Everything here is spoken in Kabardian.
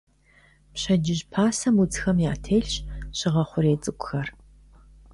Пщэдджыжь пасэм удзхэм ятелъщ щыгъэ хъурей цӀыкӀухэр.